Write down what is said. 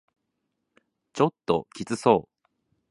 ちょっときつそう